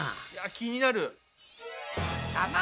気になる！